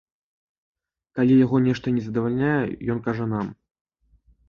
Калі яго нешта не задавальняе ён кажа нам.